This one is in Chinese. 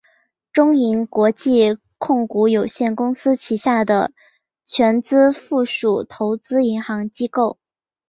中银国际控股有限公司旗下的全资附属投资银行机构。